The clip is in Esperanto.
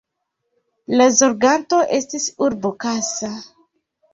La zorganto estis urbo Kassa.